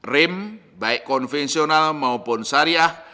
rem baik konvensional maupun syariah